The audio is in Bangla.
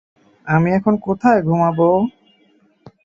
আমি এখন কোথায় ঘুমাবো?